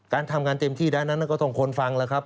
การทำงานเต็มที่ด้านนั้นก็ต้องคนฟังแล้วครับ